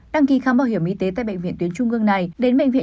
đăng ký khám bảo hiểm y tế tại bệnh viện tuyến trung ương này